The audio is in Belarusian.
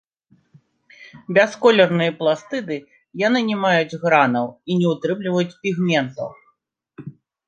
Бясколерныя пластыды, яны не маюць гранаў і не ўтрымліваюць пігментаў.